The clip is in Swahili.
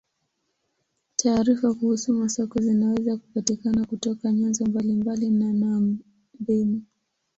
Taarifa kuhusu masoko zinaweza kupatikana kutoka vyanzo mbalimbali na na mbinu.